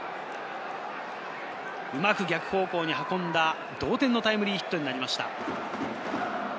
うまく逆方向に運んだ同点のタイムリーヒットになりました。